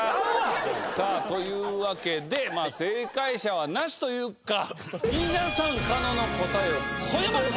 さあというわけで正解者は無しというか皆さん狩野の答えをこえました。